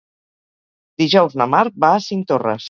Dijous na Mar va a Cinctorres.